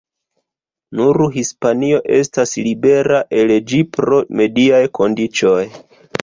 Nur Hispanio estas libera el ĝi pro mediaj kondiĉoj.